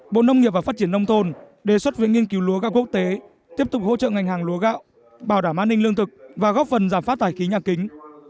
bộ nông nghiệp và phát triển nông thôn đề xuất viện nghiên cứu lúa gạo quốc tế tiếp tục hỗ trợ ngành hàng lúa gạo bảo đảm an ninh lương thực và góp phần giảm phát thải khí nhà kính